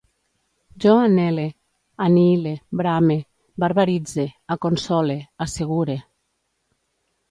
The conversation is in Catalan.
Jo anhele, anihile, brame, barbaritze, aconsole, assegure